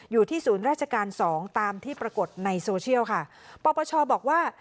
อยู่ที่ศูนย์ราชการสองตามที่ปรากฏในโซเชียลค่ะปปชบอกว่า